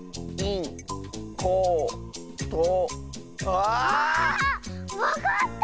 ああっ⁉わかった！